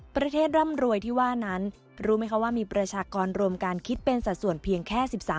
ร่ำรวยที่ว่านั้นรู้ไหมคะว่ามีประชากรรวมการคิดเป็นสัดส่วนเพียงแค่๑๓